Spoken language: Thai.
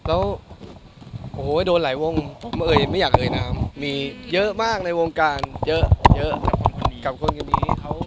โอ้โหโดนหลายวงไม่อยากเอ่ยน้ำมีเยอะมากในวงการเยอะกับคนคนนี้